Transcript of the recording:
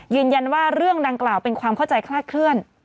ยืนยันว่าเรื่องดังกล่าวเป็นความเข้าใจคลาดเคลื่อน